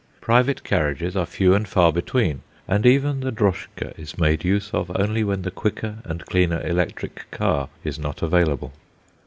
Private carriages are few and far between, and even the droschke is made use of only when the quicker and cleaner electric car is not available.